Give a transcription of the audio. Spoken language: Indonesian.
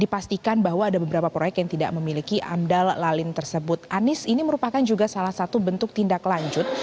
pak anies ini merupakan juga salah satu bentuk tindak lanjut